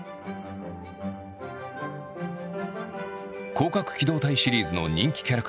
「攻殻機動隊」シリーズの人気キャラクター